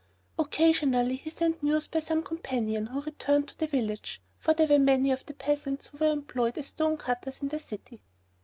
Occasionally he sent news by some companion who returned to the village, for there were many of the peasants who were employed as stone cutters in the city.